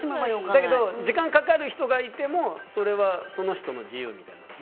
だけど時間かかる人がいてもそれはその人の自由みたいな。